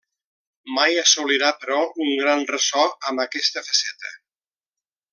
Mai assolirà, però, un gran ressò amb aquesta faceta.